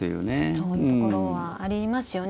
そういうところはありますよね。